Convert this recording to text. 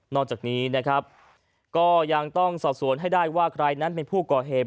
จากนี้นะครับก็ยังต้องสอบสวนให้ได้ว่าใครนั้นเป็นผู้ก่อเหตุ